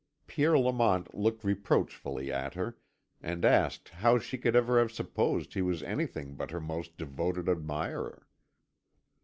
Pierre Lamont looked reproachfully at her, and asked how she could ever have supposed he was anything but her most devoted admirer.